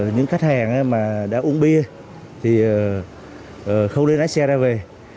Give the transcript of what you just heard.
những khách hàng mà đã uống bia thì không đưa lái xe ra về